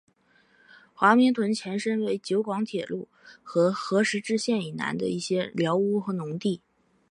华明邨前身为九广铁路和合石支线以南的一些寮屋和农地。